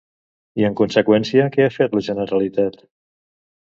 I en conseqüència, què ha fet la Generalitat?